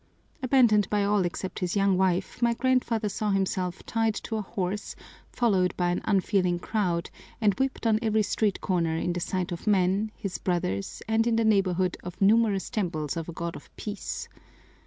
Abandoned by all except his young wife, my grandfather saw himself tied to a horse, followed by an unfeeling crowd, and whipped on every street corner in the sight of men, his brothers, and in the neighborhood of numerous temples of a God of peace.